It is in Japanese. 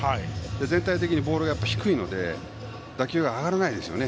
全体的にボールが低いので打球が上がりませんね